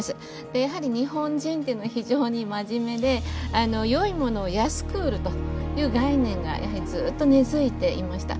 でやはり日本人っていうのは非常に真面目であのよいものを安く売るという概念がやはりずっと根づいていました。